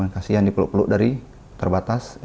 kasian dipeluk peluk dari terbatas